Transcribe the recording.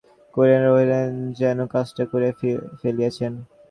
এই ভয়ে অপরাধীর মতো চুপ করিয়া রহিলেন, যেন কাজটা করিয়া ফেলিয়াছেন।